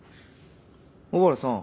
小原さん。